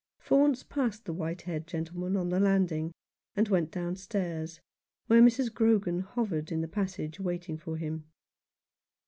Faunce passed the white haired gentleman on the landing, and went downstairs, where Mrs. Grogan hovered in the passage waiting for him.